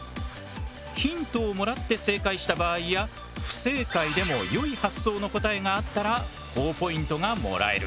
ヒントをもらって正解した場合や不正解でもよい発想の答えがあったらほぉポイントがもらえる。